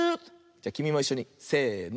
じゃきみもいっしょにせの。